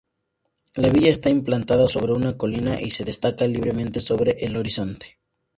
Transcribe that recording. La villa está implantada sobre una colina, y se destaca libremente sobre el horizonte.